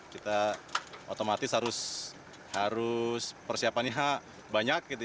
kita otomatis harus persiapannya banyak